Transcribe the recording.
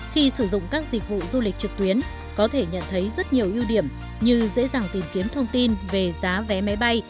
khi sử dụng các dịch vụ du lịch trực tuyến có thể nhận thấy rất nhiều ưu điểm như dễ dàng tìm kiếm thông tin về giá vé máy bay